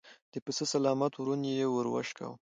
د پسه سلامت ورون يې ور وشکاوه.